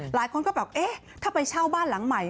หลายคนก็แบบเอ๊ะถ้าไปเช่าบ้านหลังใหม่